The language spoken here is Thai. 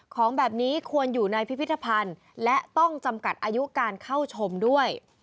ของแบบนี้ควรอยู่ในพิพิธภัณฑ์และต้องจำกัดอายุการเข้าชมด้วย